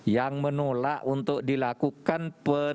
yang menolak untuk dilakukan